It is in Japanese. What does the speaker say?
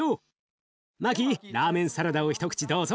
マキラーメンサラダを一口どうぞ。